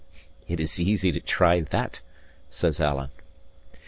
"It is easy to try that," says Alan.